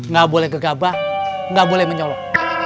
gak boleh gegabah gak boleh menyolok